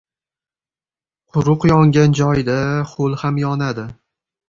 • Quruq yongan joyda ho‘l ham yonadi.